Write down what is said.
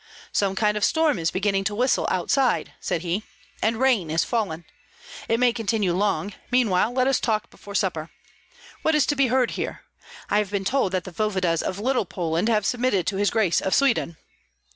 "Some kind of storm is beginning to whistle outside," said he, "and rain is falling. It may continue long; meanwhile let us talk before supper. What is to be heard here? I have been told that the voevodas of Little Poland have submitted to his Grace of Sweden."